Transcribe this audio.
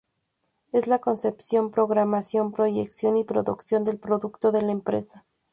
Es la concepción, programación, proyección y producción del Producto de la empresa.